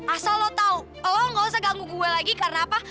asal lo tau gak usah ganggu gue lagi karena apa